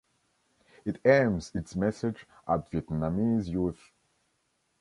It aims its message at Vietnamese youth.